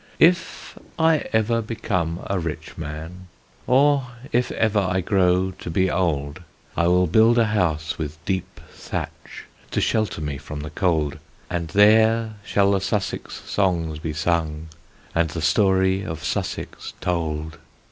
If I ever become a rich man, Or if ever I grow to be old, I will build a house with deep thatch To shelter me from the cold, And there shall the Sussex songs be sung And the story of Sussex told.